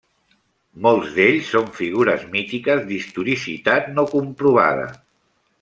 Molts d'ells són figures mítiques d'historicitat no comprovada.